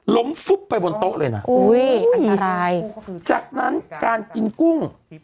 ฟุบไปบนโต๊ะเลยนะอุ้ยอันตรายจากนั้นการกินกุ้ง